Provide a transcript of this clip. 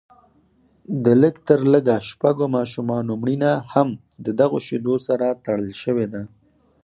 د لږ تر لږه شپږو ماشومانو مړینه هم ددغو شیدو سره تړل شوې ده